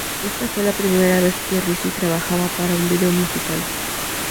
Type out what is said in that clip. Esta fue la primera vez que Ricci trabajaba para un vídeo musical.